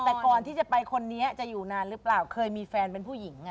แต่ก่อนที่จะไปคนนี้จะอยู่นานหรือเปล่าเคยมีแฟนเป็นผู้หญิง